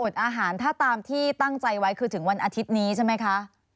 อาหารถ้าตามที่ตั้งใจไว้คือถึงวันอาทิตย์นี้ใช่ไหมคะ